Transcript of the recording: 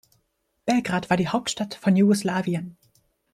Belgrad war die Hauptstadt von Jugoslawien.